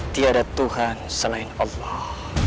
tiada tuhan selain allah